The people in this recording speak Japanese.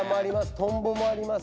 トンボもあります。